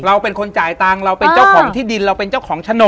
เราเป็นคนจ่ายตังค์เราเป็นเจ้าของที่ดินเราเป็นเจ้าของโฉนด